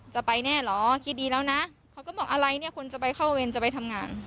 จะไปแน่เหรอคิดดีแล้วนะเขาก็บอกอะไรเนี่ยคนจะไปเข้าเวรจะไปทำงาน